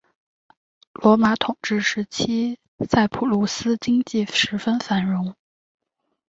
罗马统治时期塞浦路斯经济十分繁荣。